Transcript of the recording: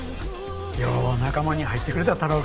よう仲間に入ってくれた太郎くん。